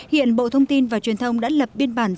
hiện bộ thông tin và truyền thông đã lập biên bản